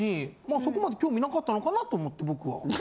そこまで興味なかったのかなと思って僕は。